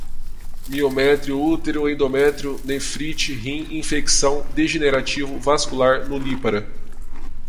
miométrio, útero, endométrio, nefrite, rim, infecção, degenerativo, vascular, nulípara